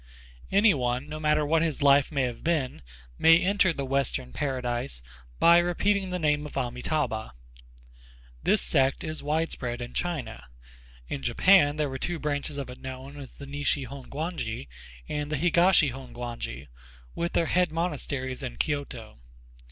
Any one, no matter what his life may have been, may enter the Western Paradise by repeating the name of Amitâbha. This sect is widespread in China. In Japan there are two branches of it known as the Nishi Hongwanji and the Higashi Hongwanji with their head monasteries in Kyoto.